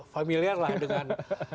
familiar lah dengan